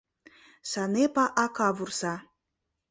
— Санепа ака вурса.